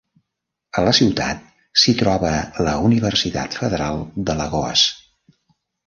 A la ciutat s'hi troba la Universitat Federal d'Alagoas.